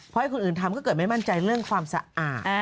เพราะให้คนอื่นทำก็เกิดไม่มั่นใจเรื่องความสะอาด